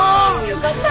よかった。